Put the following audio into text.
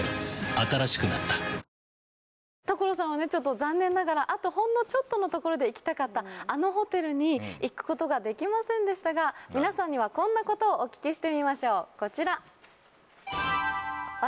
新しくなった所さんはちょっと残念ながらほんのちょっとのところで行きたかったあのホテルに行くことができませんでしたが皆さんにはこんなことをお聞きしてみましょうこちら。